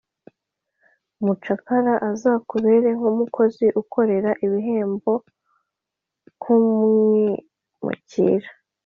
umucakara n Azakubere nk umukozi ukorera ibihembo nk umwimukira